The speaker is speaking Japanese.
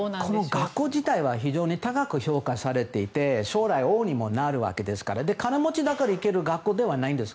学校自体は非常に高く評価されていて将来、王にもなるわけですから金持ちだから行ける学校ではないんです。